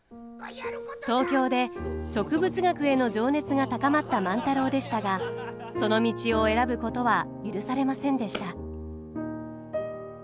東京で植物学への情熱が高まった万太郎でしたがその道を選ぶことは許されませんでした。